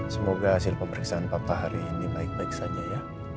semoga hasil pemeriksaan papa hari ini baik baik saja ya